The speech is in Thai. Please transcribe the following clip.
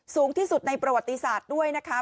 สูงที่สุดในประวัติศาสตร์ด้วยนะคะ